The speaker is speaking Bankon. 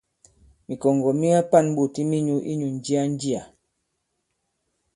Mìkɔ̀ŋgɔ̀ mi ka-pa᷇n ɓôt i minyǔ inyū ǹjia-njià.